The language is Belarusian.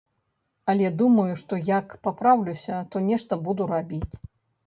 Але думаю, што як папраўлюся, то нешта буду рабіць.